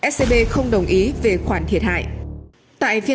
scb không đồng ý về khoản thiệt hại